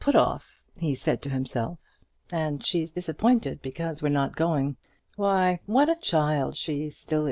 "I suppose it is a put off," he said to himself; "and she's disappointed because we're not going. Why, what a child she is still!